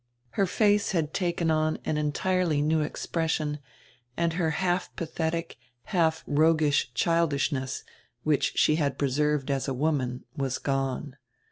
Her face had taken on an entirely new ex pression, and her half pathetic, half roguish childishness, which she had preserved as a woman, was gone.